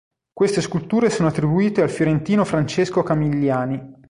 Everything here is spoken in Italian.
Queste sculture sono attribuite al fiorentino Francesco Camilliani.